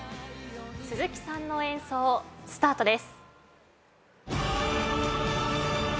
鈴木さんの演奏スタートです。